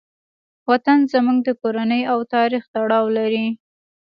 وطن زموږ د کورنۍ او تاریخ تړاو لري.